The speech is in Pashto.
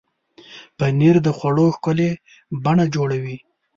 پنېر د خوړو ښکلې بڼه جوړوي.